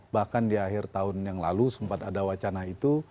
bahkan di akhir tahun yang lalu sempat ada wacana itu